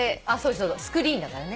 スクリーンだからね。